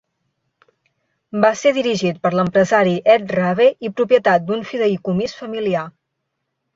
Va ser dirigit per l'empresari Ed Raabe i propietat d'un fideïcomís familiar.